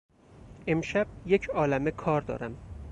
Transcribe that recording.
امشب یک عالمه کار دارم.